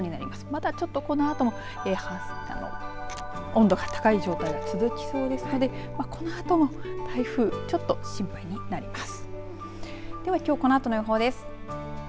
またちょっとこのあとも温度が高い状態が続きそうですのでこのあとも台風ちょっと心配になります。